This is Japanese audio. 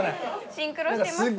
シンクロしてますね。